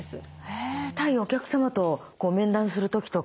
へえ対お客様と面談する時とか。